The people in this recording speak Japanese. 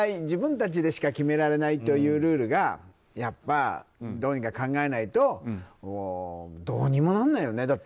自分たちでしか決められないというルールがやっぱどうにか考えないとどうにもならないよね。